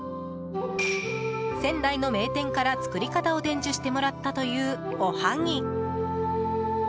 仙台の名店から、作り方を伝授してもらったというおはぎ。